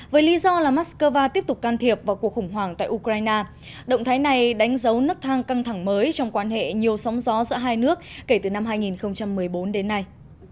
với lý do là moscow tiếp tục can thiệp vào cuộc khủng hoảng tại ukraine động thái này đánh dấu nứt thang căng thẳng mới trong quan hệ nhiều sóng gió giữa hai nước kể từ năm hai nghìn một mươi bốn đến nay